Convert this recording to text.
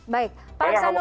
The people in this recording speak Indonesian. baik pak aksanul